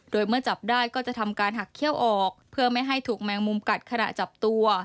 โดยเมื่อจับได้ก็จะทำการหักเขี้ยวออกเพื่อไม่ให้ถูกแมงมุมกัดขณะจับตัว